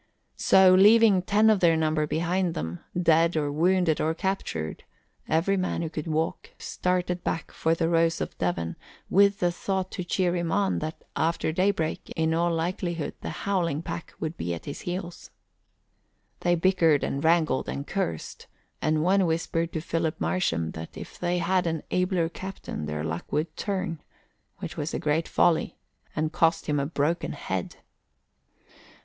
So, leaving ten of their number behind them, dead or wounded or captured, every man who could walk started back for the Rose of Devon with the thought to cheer him on, that after daybreak in all likelihood the howling pack would be at his heels. They bickered and wrangled and cursed, and one whispered to Philip Marsham that if they had an abler captain their luck would turn, which was a great folly and cost him a broken head.